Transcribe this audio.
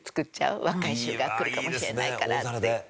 若い衆が来るかもしれないからって言って。